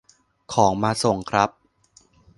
ของมาส่งครับ